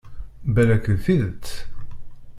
Balak d tidet.